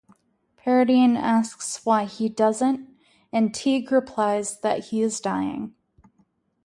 Paradine asks why he doesn't, and Teague replies that he is dying.